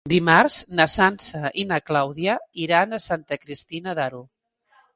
Dimarts na Sança i na Clàudia iran a Santa Cristina d'Aro.